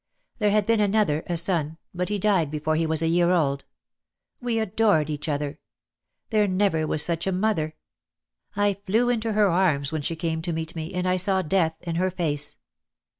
There had been another, a son, but he died before he was a year old. We adored each other. There never was such a mother. I flew into her arms when she came to meet me, and I saw death in her face.